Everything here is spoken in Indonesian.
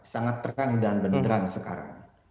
sangat terang dan benderang sekarang